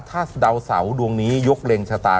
ถ้าดาวเสาดวงนี้ยกเล็งชะตา